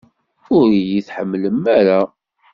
Ur iyi-tḥemmlem ara?